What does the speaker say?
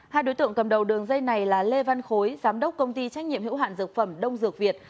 hai đối tượng cầm đầu đường dây này là lê văn khối giám đốc công ty trách nhiệm hữu hạn dược phẩm đông dược việt